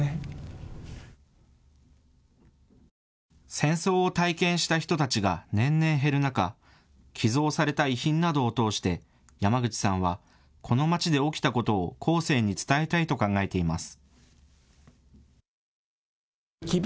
戦争を体験した人たちが年々減る中、寄贈された遺品などを通して山口さんはこの町で起きたことを後世に伝えたいと考えています。